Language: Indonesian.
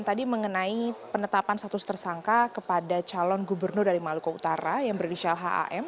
tadi mengenai penetapan status tersangka kepada calon gubernur dari maluku utara yang berinisial ham